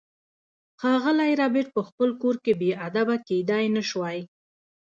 ښاغلی ربیټ په خپل کور کې بې ادبه کیدای نشوای